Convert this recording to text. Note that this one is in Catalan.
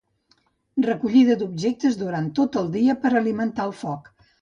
Recollida d'objectes durant tot el dia per alimentar el foc.